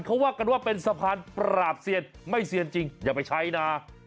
เขาว่ากันว่าเป็นสะพานปราบเซียนไม่เซียนจริงอย่าไปใช้นะ